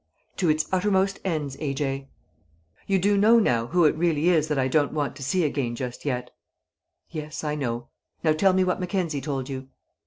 "To its uttermost ends, A. J.!" "You do know now who it really is that I don't want to see again just yet?" "Yes. I know. Now tell me what Mackenzie told you."